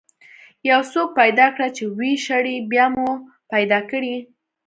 یو څوک پیدا کړه چې ويې شړي، بیا به مو پیدا کړي.